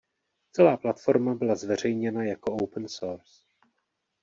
Celá platforma byla zveřejněna jako open source.